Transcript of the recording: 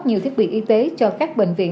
nhiều thiết bị y tế cho các bệnh viện